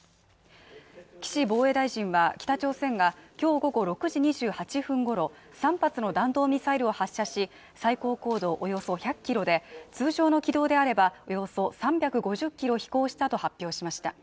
岸防衛大臣は北朝鮮が今日午後６時２８分ごろ３発の弾道ミサイルを発射し、最高高度およそ１００ｋｍで通常の軌道であれば、およそ３５０ｋｍ飛行したと発表しました。